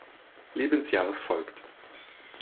Lebensjahres folgt.